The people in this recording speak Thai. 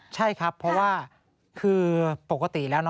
ใช่ครับเพราะว่าคือปกติแล้ว